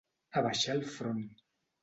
Abaixar el front.